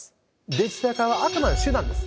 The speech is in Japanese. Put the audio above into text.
デジタル化はあくまで手段です。